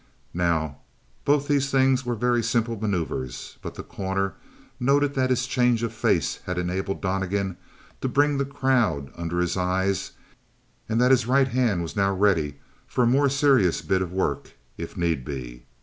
Now, both these things were very simple maneuvers, but The Corner noted that his change of face had enabled Donnegan to bring the crowd under his eye, and that his right hand was now ready for a more serious bit of work if need be.